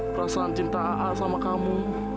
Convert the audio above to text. perasaan cinta aa sama kamu